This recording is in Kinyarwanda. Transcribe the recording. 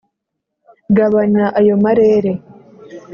Gabanya ayo marere